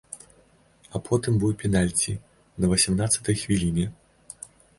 А потым быў пенальці на васямнаццатай хвіліне.